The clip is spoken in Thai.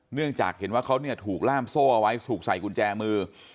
เนื่องจากเห็นว่าเขาถูกล่ามโซ่เอาไว้ถูกใส่กุญแจมือ